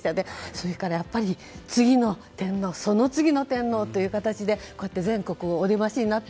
それから次の天皇その次の天皇という形で全国お出ましになって。